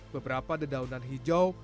beberapa dedaunan hijau